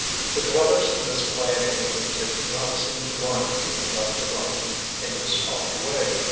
The dwellers in this quiet haven did not seem to mind being left alone in this odd way.